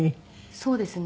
そうですね。